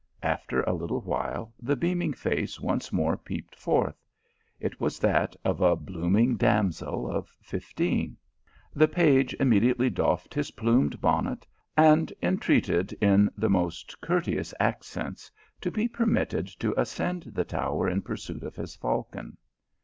After a little while, the beaming face once more peeped forth : it was that of a bloom ing damsel of fifteen. The page immediately doffed his plumed bonnet, and entreated in the most courteous accents to be permitted to ascend the tower in pursuit of his falcon.